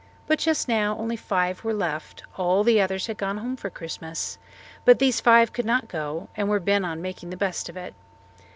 But just now only five were left; all the others had gone home for Christmas, but these five could not go and were bent on making the best of it.